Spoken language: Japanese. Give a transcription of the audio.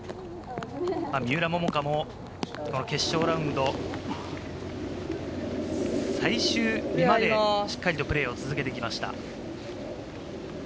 三浦桃香も決勝ラウンド、最終日まで、しっかりとプレーを続けてきました。